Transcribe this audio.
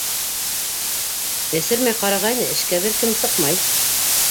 Эсермәй ҡарағайны - эшкә бер кем сыҡмай.